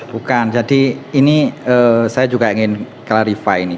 bukan jadi ini saya juga ingin klarify ini